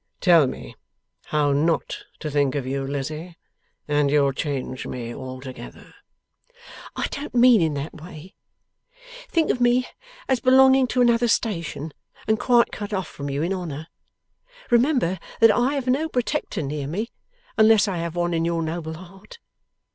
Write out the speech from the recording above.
'Tell me how NOT to think of you, Lizzie, and you'll change me altogether.' 'I don't mean in that way. Think of me, as belonging to another station, and quite cut off from you in honour. Remember that I have no protector near me, unless I have one in your noble heart.